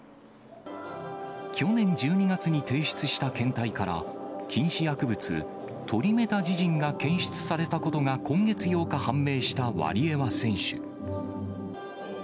去年１２月に提出した検体から、禁止薬物、トリメタジジンが検出されたことが、今月８日判明したワリエワ選手。